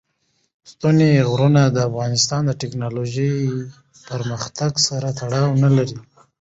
ستوني غرونه د افغانستان د تکنالوژۍ پرمختګ سره تړاو لري.